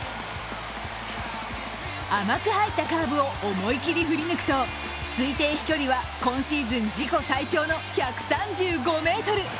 甘く入ったカーブを思い切り振り抜くと推定飛距離は今シーズン自己最長の１３５ｍ。